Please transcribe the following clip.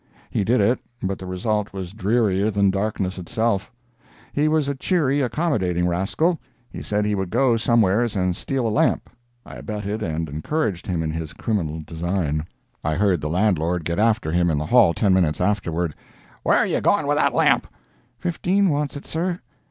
He did it, but the result was drearier than darkness itself. He was a cheery, accommodating rascal. He said he would go "somewheres" and steal a lamp. I abetted and encouraged him in his criminal design. I heard the landlord get after him in the hall ten minutes afterward. "Where are you going with that lamp?" "Fifteen wants it, sir."